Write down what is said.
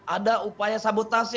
ada upaya sabotasi